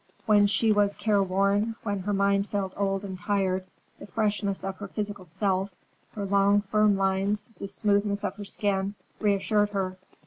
When she was careworn, when her mind felt old and tired, the freshness of her physical self, her long, firm lines, the smoothness of her skin, reassured her.